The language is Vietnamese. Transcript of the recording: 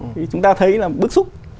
thì chúng ta thấy là bức xúc